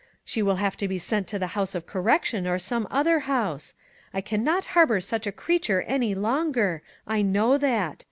She will have to be sent to the House of Correction, or some other house ! I can not harbor such a creature any longer, I know that.